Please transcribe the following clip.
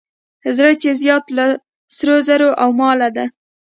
زړه چې زیات له سرو زرو او ماله دی.